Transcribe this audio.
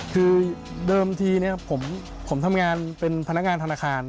คือเดิมทีผมทำงานเป็นพนักงานธนาคาร